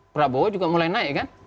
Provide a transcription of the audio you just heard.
prabowo juga mulai naik kan